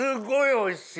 おいしい！